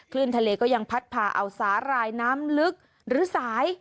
ทะเลก็ยังพัดพาเอาสาหร่ายน้ำลึกหรือสาย